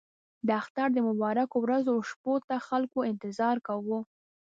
د اختر د مبارکو ورځو او شپو ته خلکو انتظار کاوه.